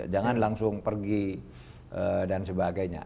jangan langsung pergi dan sebagainya